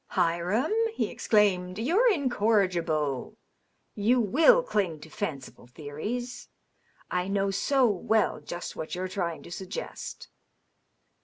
"Hiram/* he exclaimed, '* you're incorrigible. You will cling to fanciful theories. I know so well just what you're trying to suggest."